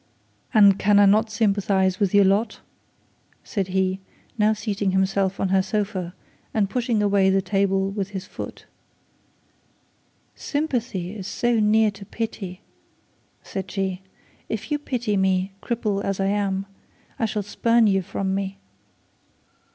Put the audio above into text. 'And can I not sympathise with your lot?' said he, now seating himself on her sofa, and pushing away the table with his foot. 'Sympathy is so near to pity!' said she. 'If you pity me, cripple as I am, I shall spurn you from me.'